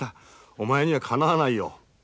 お前にはかなわないよ」。